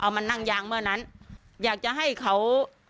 มานั่งยางเมื่อนั้นอยากจะให้เขา